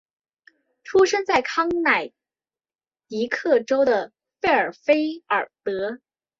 出生在康乃狄克州的费尔菲尔德。